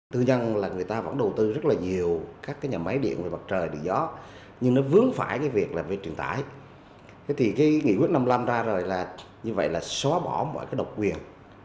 tư nhân là người ta vẫn đầu tư rất là nhiều các cái nhà máy điện về mặt trời điện gió nhưng nó vướng phải cái việc là việc truyền tải thì cái nghị quyết năm mươi năm ra rồi là như vậy là xóa bỏ mọi cái độc quyền